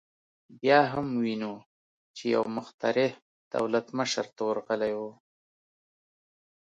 بیا هم وینو چې یو مخترع دولت مشر ته ورغلی و